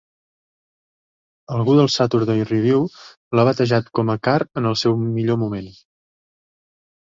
Algú del "Saturday Review" l'ha batejat com a "Carr en el seu millor moment".